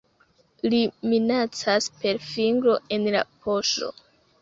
Li minacas per fingro en la poŝo.